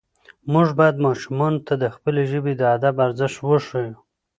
موږ باید ماشومانو ته د خپلې ژبې د ادب ارزښت وښیو